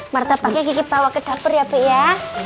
martabaknya kita bawa ke dapur ya pu ya